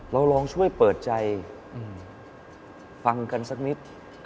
เราลองช่วยเปิดใจฟังกันสักนิด